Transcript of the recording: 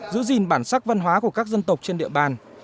giữ gìn bản sắc văn hóa của các dân tộc trên địa bàn